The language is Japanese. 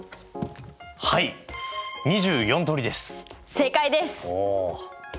正解です！